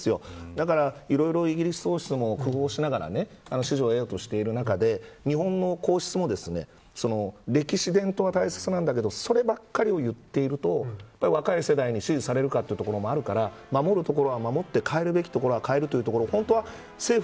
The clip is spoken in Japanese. だから、いろいろイギリス王室も工夫しながら支持を得ようとしている中で日本の皇室も歴史、伝統は大切なんだけどそればかりを言っていると若い世代に支持されているかということもあるから守るべきところは守って変えるべきところは変えてというところ。